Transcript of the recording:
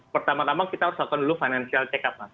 pertama tama kita harus lakukan dulu financial check up mas